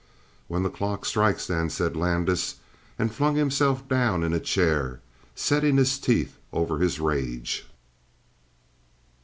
"When the clock strikes, then," said Landis, and flung himself down in a chair, setting his teeth over his rage.